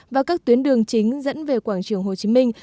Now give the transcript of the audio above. và các tuyến đường chính dẫn về quảng trường hồ chí minh